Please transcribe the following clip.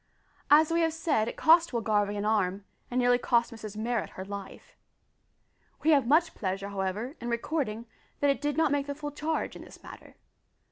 As we have said, it cost Will Garvie an arm, and nearly cost Mrs Marrot her life. We have much pleasure, however, in recording, that it did not make the full charge in this matter.